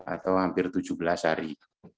atau hampir tujuh belas hari